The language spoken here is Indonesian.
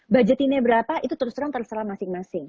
budgetinnya berapa itu terserah terserah masing masing